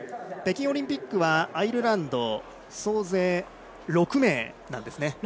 北京オリンピックはアイルランド総勢６名なんですね。